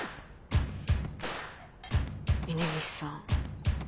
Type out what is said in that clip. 峰岸さん